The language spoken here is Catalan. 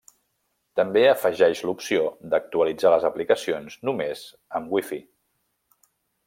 També afegeix l'opció d'actualitzar les aplicacions només amb Wi-Fi.